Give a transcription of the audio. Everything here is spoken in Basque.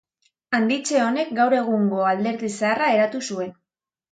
Handitze honek gaur egungo alderdi zaharra eratu zuen.